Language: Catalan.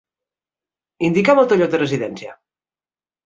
Indica'm el teu lloc de residència.